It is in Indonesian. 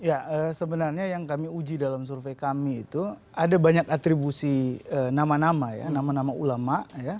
ya sebenarnya yang kami uji dalam survei kami itu ada banyak atribusi nama nama ya nama nama ulama